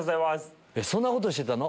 「そんなことしてたの⁉」